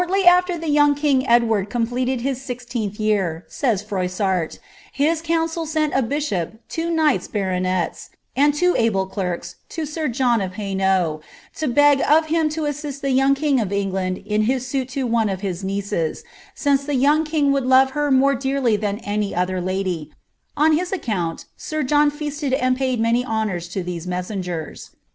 175 >illy after the young king Edward completed his sixteenth year,'' ■oifl»art, ^ his council sent a bishop, two knight bannerets, and le clerks, to Sir John of Hainault, to beg of him to assist the kinff of En^and in his suit to one of his nieces, since the young ould loTe her more dearly than any other lady, on his account n feasted and paid many honours to these messengers.